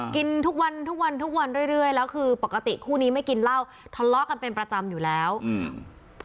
กินทุกวันทุกวันทุกวันเรื่อยเรื่อยแล้วคือปกติคู่นี้ไม่กินเหล้าทะเลาะกันเป็นประจำอยู่แล้วอืม